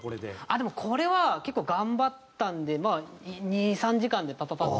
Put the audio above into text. でもこれは結構頑張ったんで２３時間でパパパッと。